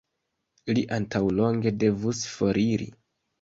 Li antaŭlonge devus foriri.